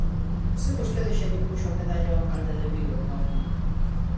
¡Se vostede xa lle puxo a medalla ao alcalde de Vigo, home!